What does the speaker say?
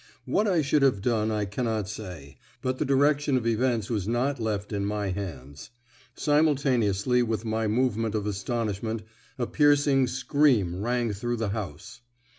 What I should have done I cannot say, but the direction of events was not left in my hands. Simultaneously with my movement of astonishment, a piercing scream rang through the house.